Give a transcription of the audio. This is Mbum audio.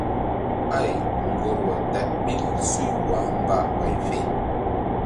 Ay ŋgorwa ta ɓil suy wah mba ɓay fe.